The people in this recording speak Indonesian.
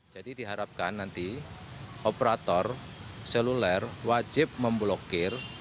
jadi diharapkan nanti operator seluler wajib memblokir